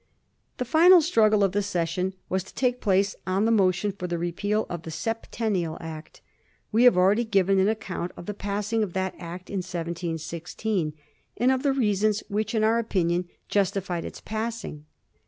The final struggle of the session was to take place on the motion for the repeal of the Septennial Act. We have already given an account of the passing of that Act in 1716, and of the reasons which in our opinion justified its passing.